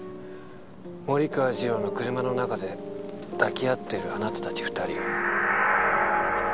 森川次郎の車の中で抱き合っているあなたたち２人を。